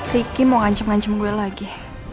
ricky mau ngancam ngancam gue lagi